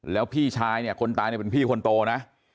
แล้วพี่ชายเนี่ยคนตายเนี่ยเป็นพี่คนโตนะ